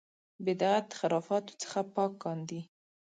بدعت خرافاتو څخه پاک کاندي.